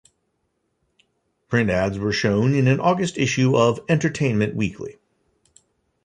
Print ads were shown in an August issue of "Entertainment Weekly".